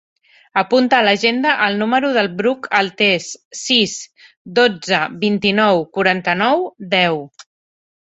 Apunta a l'agenda el número del Bruc Altes: sis, dotze, vint-i-nou, quaranta-nou, deu.